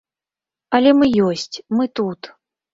Але мы ёсць, мы тут.